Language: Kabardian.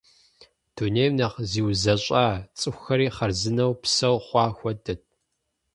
Дунейм нэхъ зиузэщӏа, цӏыхухэри хъарзынэу псэу хъуа хуэдэт.